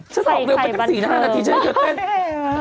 ช่างเร็วก็ตั้ง๔๕นาทีเหมือนเธอจะเต้นเดี๋ยวถ้าง่าย